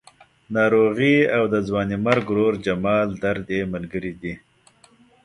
ناروغي او د ځوانې مرګ ورور جمال درد یې ملګري دي.